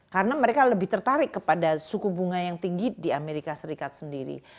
karena mereka lebih tertarik kepada suku bunga yang tinggi di amerika serikat sendiri